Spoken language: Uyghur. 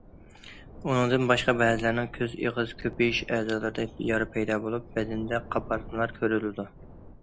ئۇنىڭدىن باشقا بەزىلەرنىڭ كۆز، ئېغىز، كۆپىيىش ئەزالىرىدا يارا پەيدا بولۇپ، بەدىنىدە قاپارتمىلار كۆرۈلىدۇ.